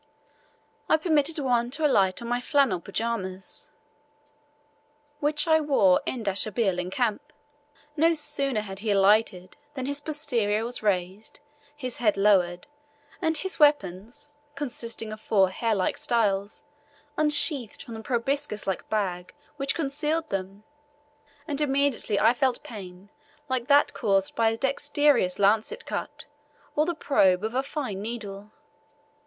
I permitted one to alight on my flannel pyjamas, which I wore while en deshabille in camp. No sooner had he alighted than his posterior was raised, his head lowered, and his weapons, consisting of four hair like styles, unsheathed from the proboscis like bag which concealed them, and immediately I felt pain like that caused by a dexterous lancet cut or the probe of a fine needle.